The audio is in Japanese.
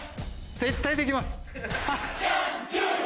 絶対できます！